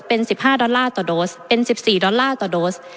เป็นสิบห้าดอลลาร์ต่อโดสเป็นสิบสี่ดอลลาร์ต่อโดส